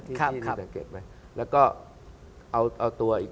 นักกีฬาคนนี้